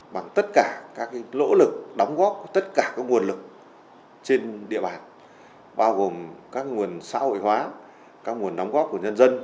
bằng tất cả các lỗ lực đóng góp của tất cả các nguồn lực trên địa bàn bao gồm các nguồn xã hội hóa các nguồn đóng góp của nhân dân